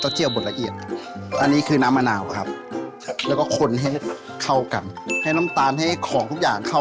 โต๊ะเจี้ยวบทละเอียดซอสพิกน้ำตาลพิก